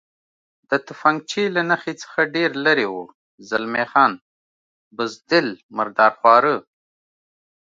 د تفنګچې له نښې څخه ډېر لرې و، زلمی خان: بزدل، مرادرخواره.